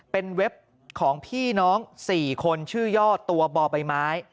เป็นเว็บของพี่น้อง๔คนชื่อย่อตัวบ่อใบไม้